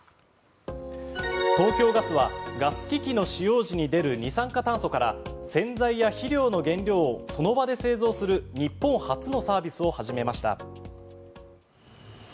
東京ガスはガス機器の使用時に出る二酸化炭素から洗剤や肥料の原料をその場で製造する日本初のサービスを始めました。